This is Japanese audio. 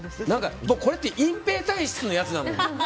これって隠蔽体質のやつじゃん。